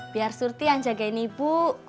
biar surti yang jagain ibu